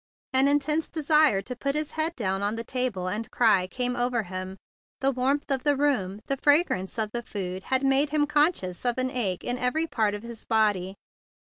An intense desire to put his head down on the table and cry came over him. The warmth of the room, the fragrance of the food, had made him conscious of an ache in every part of his body.